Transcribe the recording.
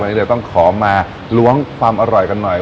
วันนี้เดี๋ยวต้องขอมาล้วงความอร่อยกันหน่อย